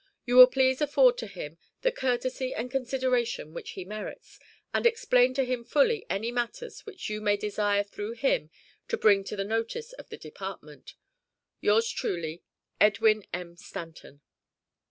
You will please afford to him the courtesy and consideration which he merits, and explain to him fully any matters which you may desire through him to bring to the notice of the department. Yours truly, EDWIN M. STANTON.